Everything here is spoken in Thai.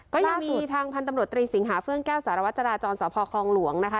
ก็ยังมีทางพันธุ์ตำรวจตรีสิงหาเฟื่องแก้วสารวัตจราจรสพคลองหลวงนะคะ